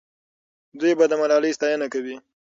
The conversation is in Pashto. دوی به د ملالۍ ستاینه کوي.